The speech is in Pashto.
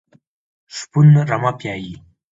شپون رمه پيایي.